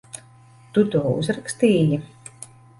Tu to uzrakstīji?